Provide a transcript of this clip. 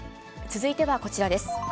続いてはこちらです。